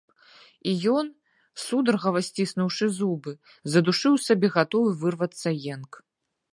І ён, сударгава сціснуўшы зубы, задушыў у сабе гатовы вырвацца енк.